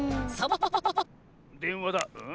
でんわだ。